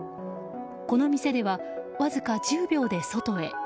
この店ではわずか１０秒で外へ。